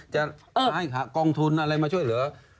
จะให้กองทุนอะไรมาช่วยเหลือ